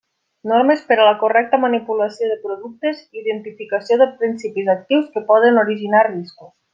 Normes per a la correcta manipulació de productes i identificació de principis actius que poden originar riscos.